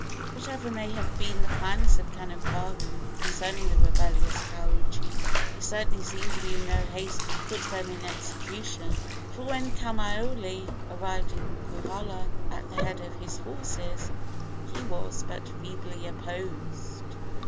Whatever may have been the plans of Kanipahu concerning the rebellious Kau chief, he certainly seemed to be in no haste to put them in execution, for when Kamaiole arrived in Kohala at the head of his forces he was but feebly opposed.